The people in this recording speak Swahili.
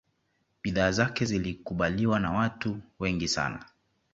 bidhaa zake zilikubaliwa na watu wengi sana